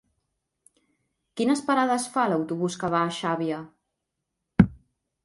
Quines parades fa l'autobús que va a Xàbia?